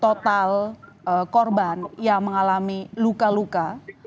total korban yang mengalami luka luka